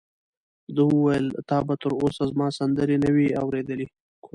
ده وویل: تا به تر اوسه زما سندرې نه وي اورېدلې؟